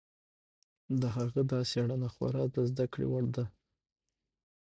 د هغه دا څېړنه خورا د زده کړې وړ ده.